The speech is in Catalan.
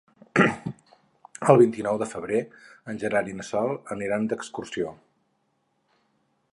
El vint-i-nou de febrer en Gerard i na Sol aniran d'excursió.